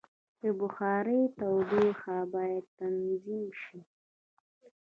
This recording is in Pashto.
د بخارۍ تودوخه باید تنظیم شي.